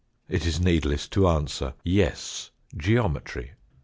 It is needless to answer : Yes ; geometry.